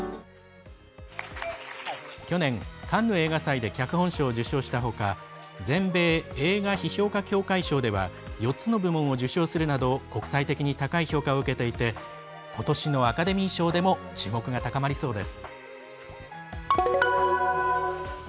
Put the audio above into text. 去年、カンヌ映画祭で脚本賞を受賞したほか全米映画批評家協会賞では４つの部門を受賞するなど国際的に高い評価を受けていてことしのアカデミー賞でも注目が高まりそうです。